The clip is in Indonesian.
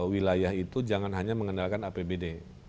wilayah itu jangan hanya mengandalkan apbd